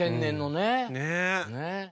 ねえ。